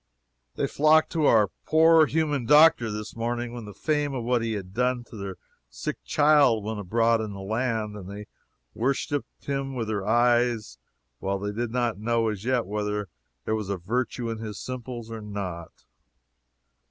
They flocked to our poor human doctor this morning when the fame of what he had done to the sick child went abroad in the land, and they worshiped him with their eyes while they did not know as yet whether there was virtue in his simples or not.